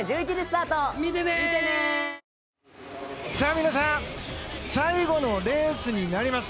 皆さん最後のレースになります。